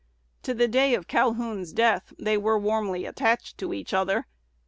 To the day of Calhoun's death they were warmly attached to each other.